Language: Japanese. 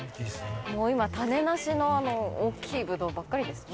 もう今種なしの大きいぶどうばっかりですね。